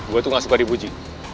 gua tuh nggak suka dibuji